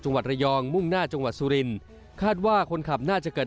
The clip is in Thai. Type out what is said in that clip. จรยองมุ่งหน้าจสุรินคาดว่าคนขับน่าจะเกิด